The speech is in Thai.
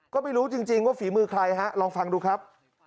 ก็ไม่รู้จริงว่าฝีมือใครฮะลองฟังดูครับ